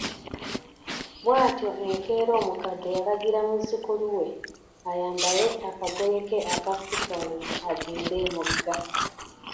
Bw’atyo enkeera omukadde yalagira muzzukulu we ayambale akagoye ke aka sifoni agende emugga.